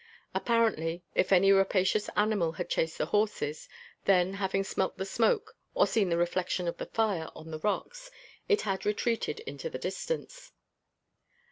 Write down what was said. Apparently, if any rapacious animal had chased the horses, then, having smelt the smoke or seen the reflection of the fire on the rocks, it had retreated into the distance.